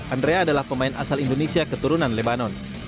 andrea adalah pemain asal indonesia keturunan lebanon